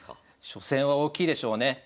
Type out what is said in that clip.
初戦は大きいでしょうね。